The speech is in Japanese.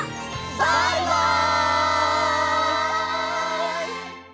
バイバイ！